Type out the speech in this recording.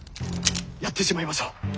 やってしまいましょう。